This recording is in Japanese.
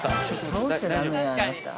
◆倒しちゃだめよ、あなた。